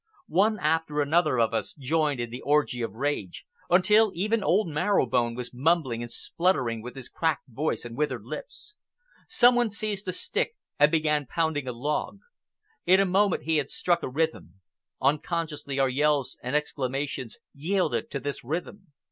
One after another of us joined in the orgy of rage, until even old Marrow Bone was mumbling and spluttering with his cracked voice and withered lips. Some one seized a stick and began pounding a log. In a moment he had struck a rhythm. Unconsciously, our yells and exclamations yielded to this rhythm.